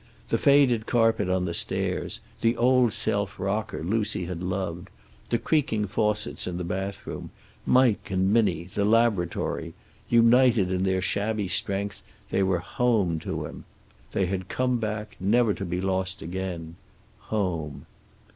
The faded carpet on the stairs, the old self rocker Lucy had loved, the creaking faucets in the bathroom, Mike and Minnie, the laboratory, united in their shabby strength, they were home to him. They had come back, never to be lost again. Home.